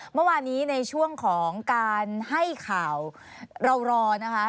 เมื่อวานี้ในช่วงของการให้ข่าวเรารอนะคะ